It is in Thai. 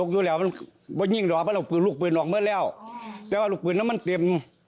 แต่ว่าลุกปืนนั้นมันเต็ม